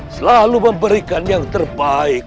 selalu memberikan yang terbaik